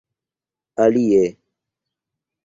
alie